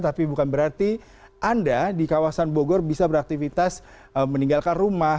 tapi bukan berarti anda di kawasan bogor bisa beraktivitas meninggalkan rumah